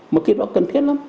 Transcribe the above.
một kế hoạch cần thiết lắm